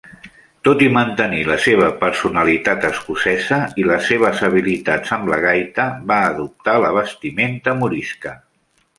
Tot i mantenir la seva personalitat escocesa i les seves habilitats amb la gaita, va adoptar la vestimenta morisca.